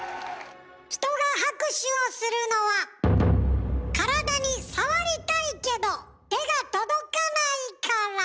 人が拍手をするのは体に触りたいけど手が届かないから。